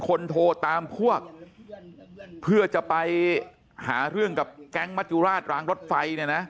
คนโทรตามพวกเพื่อจะไปหาเรื่องกับแก๊งมัจจุราชรางรถไฟเนี่ยนะ